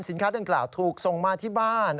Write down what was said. สินค้าเตือนกล่าวถูกส่งมาที่บ้าน